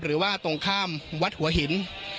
หรือว่าตรงข้ามวัดหัวหิน